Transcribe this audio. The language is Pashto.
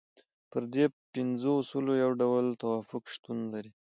پر دې پنځو اصولو یو ډول توافق شتون لري.